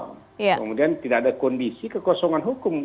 kemudian tidak ada kondisi kekosongan hukum